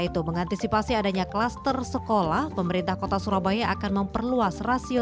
itu mengantisipasi adanya klaster sekolah pemerintah kota surabaya akan memperluas rasio